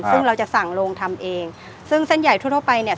ซึ่งเราจะสั่งโรงทำเองซึ่งเส้นใหญ่ทั่วทั่วไปเนี่ย